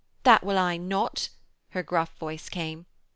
'That will I not,' her gruff voice came.